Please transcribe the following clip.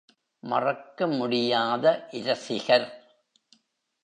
மறக்க முடியாத இரசிகர்!